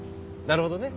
なるほどね。